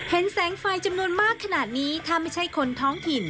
แสงไฟจำนวนมากขนาดนี้ถ้าไม่ใช่คนท้องถิ่น